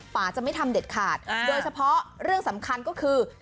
ป่าจะไม่ทำเด็ดขาดโดยเฉพาะเรื่องสำคัญก็คือ